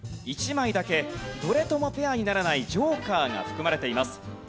１枚だけどれともペアにならないジョーカーが含まれています。